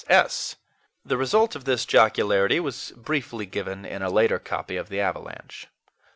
S. S." The result of this jocularity was briefly given in a later copy of the AVALANCHE.